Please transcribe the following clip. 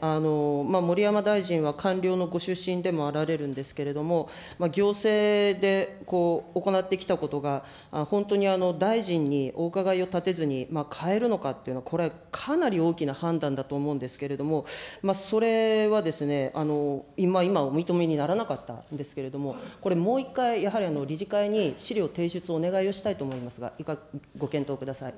盛山大臣は官僚のご出身でもあられるんですけれども、行政で行ってきたことが、本当に大臣にお伺いを立てずに変えるのかっていうのは、これ、かなり大きな判断だと思うんですけれども、それはですね、今、お認めにならなかったわけなんですけれども、これ、もう１回、やはり理事会に資料提出をお願いをしたいと思いますが、ご検討ください。